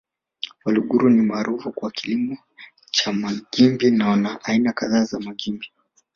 Waluguru ni maarufu kwa kilimo cha magimbi na wana aina kadhaa za magimbi